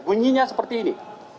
bunyinya seperti ini